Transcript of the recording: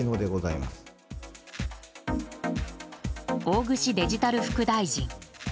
大串デジタル副大臣。